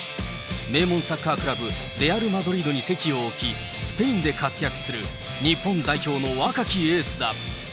名門サッカークラブ、レアル・マドリードに籍を置き、スペインで活躍する、日本代表の若きエースだ。